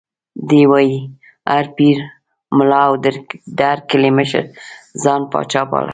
دی وایي: هر پیر، ملا او د هر کلي مشر ځان پاچا باله.